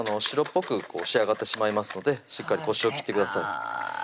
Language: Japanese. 白っぽくこう仕上がってしまいますのでしっかりコシを切ってください